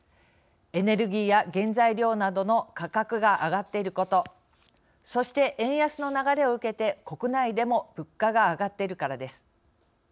エネルギーや原材料などの価格が上がっていること、そして円安の流れを受けて国内でも物価が上がっているからです。